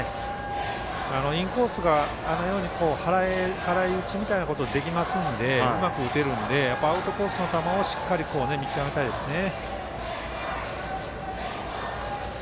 インコースがあのように払い腰みたいなことできますので、うまく打てるのでアウトコースの球をしっかり見極めたいですね。